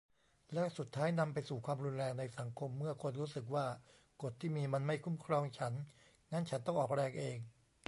และสุดท้ายนำไปสู่ความรุนแรงในสังคม เมื่อคนรู้สึกว่ากฎที่มีมันไม่คุ้มครองฉัน งั้นฉันต้องออกแรงเอง